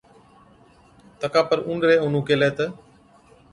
تڪا پر اُونڏرَي اونهُون ڪيهلَي تہ،